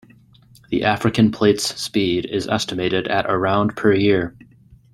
The African Plate's speed is estimated at around per year.